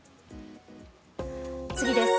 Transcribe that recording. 次です。